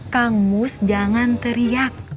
kang mus jangan teriak